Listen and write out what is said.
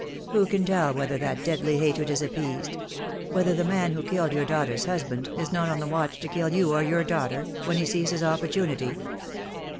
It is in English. Who can tell whether that deadly hatred is appeased — whether the man who killed your daughter's husband is not on the watch to kill you or your daughter — when he sees his opportunity?"